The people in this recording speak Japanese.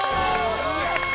やった！